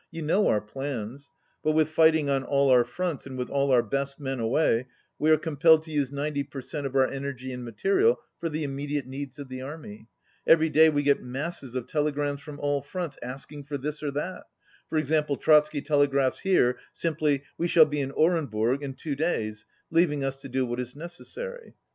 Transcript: You know our plans. But with fighting on all our fronts, and with all our best men away, we are compelled to use ninety per cent, of our energy and material for the imme diate needs of the army. Every day we get masses of telegrams from all fronts, asking for this or that. For example, Trotsky telegraphs here simply "We shall be in Orenburg in two days," leaving us to do what is necessary.